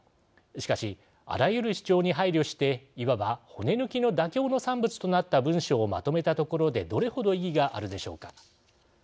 しかし、あらゆる主張に配慮していわば骨抜きの妥協の産物となった文書をまとめたところでどれほど意義があるでしょうか。